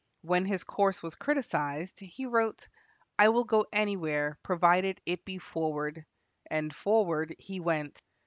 When his course was criticized, he wrote, "I will go anywhere, provided it be forward," and "forward" he went.